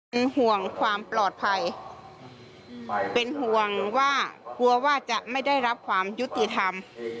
เป็นห่วงความปลอดภัยเป็นห่วงว่ากลัวว่าจะไม่ได้รับความยุติธรรม